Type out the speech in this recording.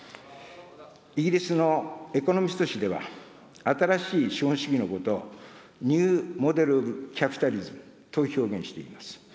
イギリスのエコノミスト誌では、新しい資本主義のことを、ニューモデル・オブ・キャピタリズムと表現しています。